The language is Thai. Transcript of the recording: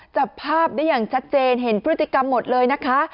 จับภาพได้อย่างชัดเจนเห็นพฤติกรรมหมดเลยนะคะ